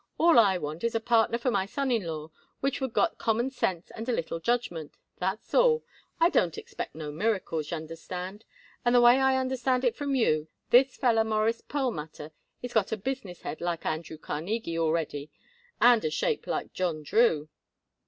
All I want is a partner for my son in law which would got common sense and a little judgment. That's all. I don't expect no miracles, y'understand, and the way I understand it from you, this feller Morris Perlmutter is got a business head like Andrew Carnegie already and a shape like John Drew."